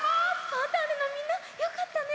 「ファンターネ！」のみんなよかったね。